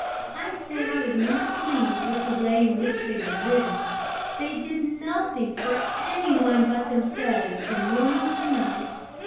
I said I was not pleased with the way in which they were living. They did nothing for any one but themselves from morning to night.